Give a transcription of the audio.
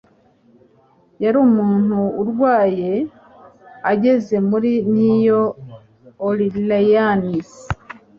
Yari umuntu urwaye ageze muri New Orleans.